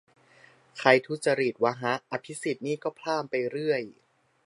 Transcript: ใครทุจริตวะฮะ อภิสิทธิ์นี่ก็พล่ามไปเรื่อย